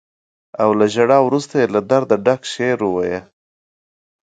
او له ژړا وروسته یې له درده ډک شعر وويلې.